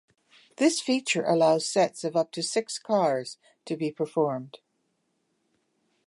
This feature allows sets of up to six cars to be formed.